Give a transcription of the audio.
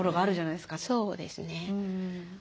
そうですね。